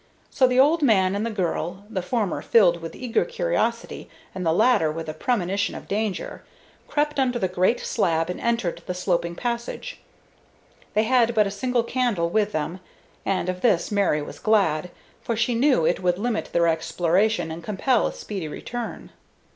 So the old man and the girl the former filled with eager curiosity and the latter with a premonition of danger crept under the great slab and entered the sloping passage. They had but a single candle with them, and of this Mary was glad, for she knew it would limit their exploration and compel a speedy return.